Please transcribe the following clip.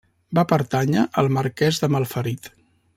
Va pertànyer al Marquès de Malferit.